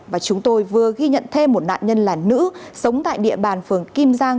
và chúng tôi vừa ghi nhận thêm một nạn nhân là nữ sống tại địa bàn phường kim giang